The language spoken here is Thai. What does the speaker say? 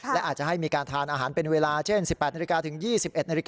และอาจจะให้มีการทานอาหารเป็นเวลาเช่น๑๘นถึง๒๑น